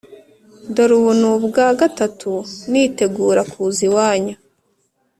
Dore ubu ni ubwa gatatu nitegura kuza iwanyu